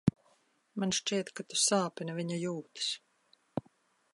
Man šķiet, ka tu sāpini viņa jūtas.